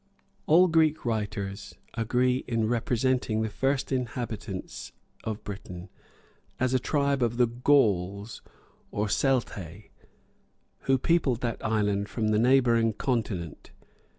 All ancient writers agree in representing the first inhabitants of Britain as a tribe of the Gauls or Celtæ, who peopled that island from the neighboring continent.